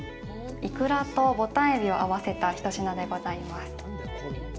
イクラとボタンエビを合わせた一品でございます。